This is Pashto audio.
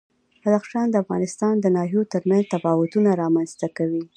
بدخشان د افغانستان د ناحیو ترمنځ تفاوتونه رامنځ ته کوي.